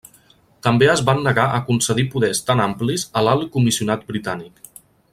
També es van negar a concedir poders tan amplis a l'Alt Comissionat britànic.